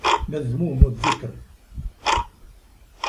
مَذْمُومُ الذِّكْرِ